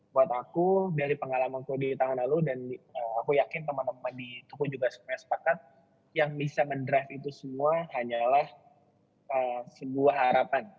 buat aku dari pengalamanku di tahun lalu dan aku yakin teman teman di tuku juga sepakat yang bisa mendrive itu semua hanyalah sebuah harapan